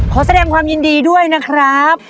ขอแสดงความยินดีด้วยนะครับ